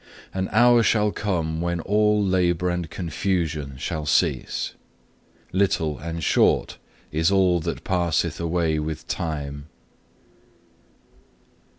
An hour shall come when all labour and confusion shall cease. Little and short is all that passeth away with time.